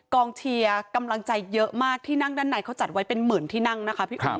กองเชียร์กำลังใจเยอะมากที่นั่งด้านในเขาจัดไว้เป็นหมื่นที่นั่งนะคะพี่อุ๋ย